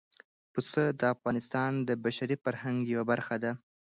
پسه د افغانستان د بشري فرهنګ یوه برخه ده.